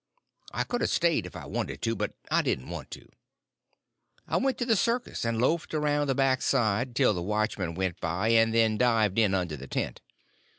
I could a stayed if I wanted to, but I didn't want to. I went to the circus and loafed around the back side till the watchman went by, and then dived in under the tent.